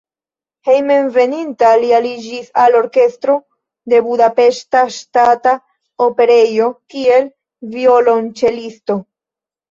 Hejmenveninta li aliĝis al orkestro de Budapeŝta Ŝtata Operejo, kiel violonĉelisto.